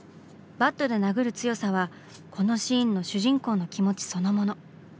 バットで殴る強さはこのシーンの主人公の気持ちそのもの。